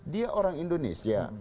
dia orang indonesia